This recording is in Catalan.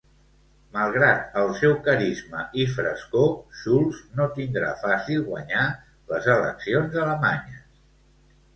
Malgrat el seu carisma i frescor, Schulz no tindrà fàcil guanyar les eleccions alemanyes.